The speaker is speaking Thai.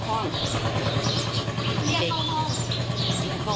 ตอนแรกก็ดูดูก็